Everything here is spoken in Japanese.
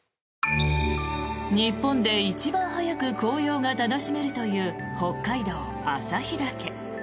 日本で一番早く紅葉が楽しめるという北海道・旭岳。